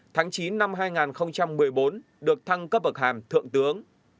tháng chín năm hai nghìn một mươi bốn được thăng cấp bậc hàm thượng tướng